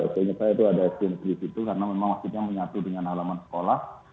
seingat saya itu ada sdms di situ karena memang masjidnya menyatu dengan halaman sekolah